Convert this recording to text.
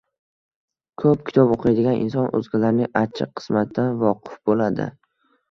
Ko‘p kitob o‘qiydigan inson o‘zgalarning achchiq qismatidan voqif bo‘ladi.